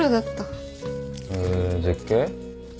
へぇ絶景？